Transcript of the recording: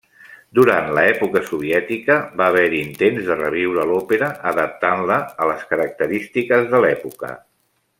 Durant l'època soviètica, va haver-hi intents de reviure l'òpera, adaptant-la a les característiques de l'època.